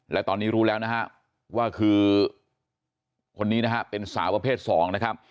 และตอนนี้รู้แล้วนะฮะว่าคือคนนี้นะฮะเป็นสาวประเภท๒นะครับ